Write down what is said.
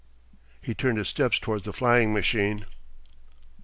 He turned his steps towards the flying machine....